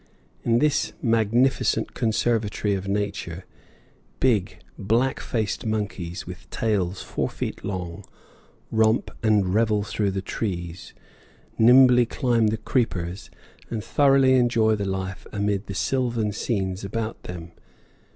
In this magnificent conservatory of nature big, black faced monkeys, with tails four feet long, romp and revel through the trees, nimbly climb the creepers, and thoroughly enjoy the life amid the sylvan scenes about them.